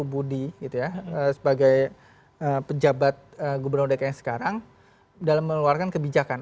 kebijakan dari pak heru budi gitu ya sebagai pejabat gubernur dki yang sekarang dalam mengeluarkan kebijakan